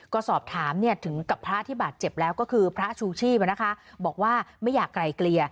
ก็สอบถามถึงกับพระที่บาดเจ็บแล้วก็คือพระชูชีพบอกว่าไม่อยากไกลเกลี่ย